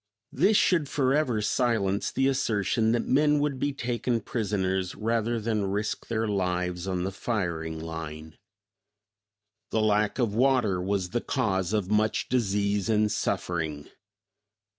This should forever silence the assertion that men would be taken prisoners rather than risk their lives on the firing line. The lack of water was the cause of much disease and suffering.